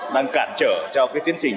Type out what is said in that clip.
đang cản trở cho cái tiến trình